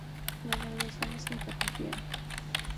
Las negociaciones se interrumpieron.